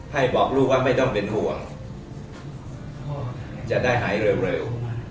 ให้บอกลูกว่าไม่ต้องเป็นห่วงจะได้หายเร็ว